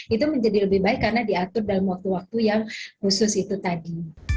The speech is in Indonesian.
itu menjadi lebih baik karena diatur dalam waktu waktu yang khusus itu tadi